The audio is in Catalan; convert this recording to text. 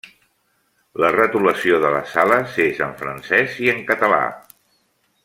La retolació de les sales és en francès i en català.